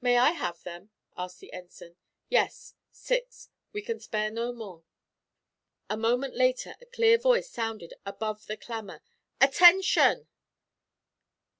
"May I have them?" asked the Ensign. "Yes six. We can spare no more." A moment later a clear voice sounded above the clamour, "Attention!"